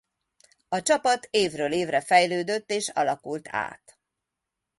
A csapat évről évre fejlődött és alakult át.